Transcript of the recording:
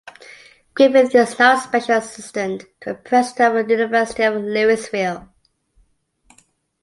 Griffith is now a special assistant to the President of the University of Louisville.